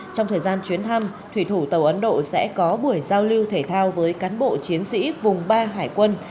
trong thời gian chuyến thăm thủy thủ tàu ấn độ sẽ có buổi giao lưu thể thao với cán bộ chiến sĩ vùng ba hải quân